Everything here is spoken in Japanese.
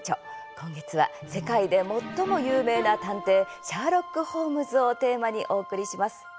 今月は世界で最も有名な探偵シャーロック・ホームズをテーマにお送りします。